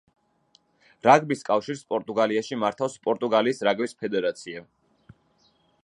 რაგბის კავშირს პორტუგალიაში მართავს პორტუგალიის რაგბის ფედერაცია.